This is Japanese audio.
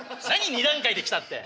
２段階で来たって。